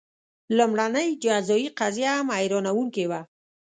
لومړنۍ جزايي قضیه هم حیرانوونکې وه.